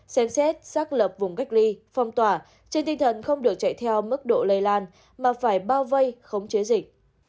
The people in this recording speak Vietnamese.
xem xét xác lập vùng cách ly phong tỏa trên tinh thần không được chạy theo mức độ lây lan mà phải bao vây khống chế dịch